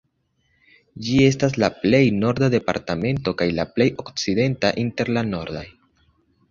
Ĝi estas la plej norda departemento kaj la plej okcidenta inter la nordaj.